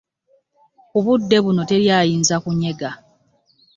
Ku budde buno teri ayinza kunyega.